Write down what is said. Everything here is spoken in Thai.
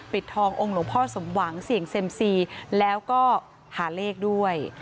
ทององค์หลวงพ่อสมหวังเสี่ยงเซ็มซีแล้วก็หาเลขด้วย